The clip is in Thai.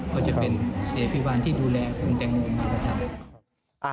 ก็จะเป็นศิริภิบาลที่ดูแลคุณแตงโมมากับฉัน